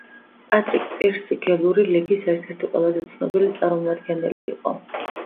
პატრიკ პირსი გელური ლიგის ერთ-ერთი ყველაზე ცნობილი წარმომადგენელი იყო.